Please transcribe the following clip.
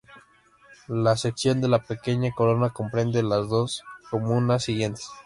La sección de la Pequeña Corona comprende las dos comunas siguientes